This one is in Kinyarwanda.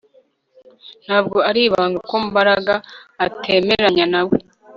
Ntabwo ari ibanga ko Mbaraga atemeranya nawe